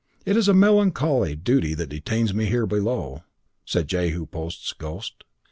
"It is a melancholy duty that detains me here below," said Jehu Post's ghost.